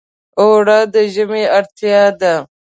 اوړه د ژمي اړتیا ده